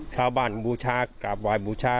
เช้าบ้านบูชากคราบวานบูชา